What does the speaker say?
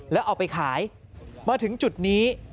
แล้วเอาไปขายมาถึงจุดนี้